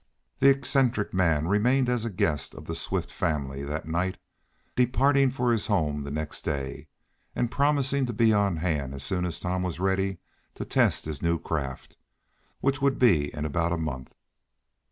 The eccentric man remained as the guest of the Swift family that night, departing for his home the next day, and promising to be on hand as soon as Tom was ready to test his new craft, which would be in about a month.